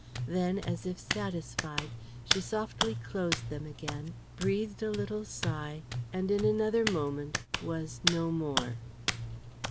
Then, as if satisfied, she softly closed them again, breathed a little sigh, and in another moment was no more.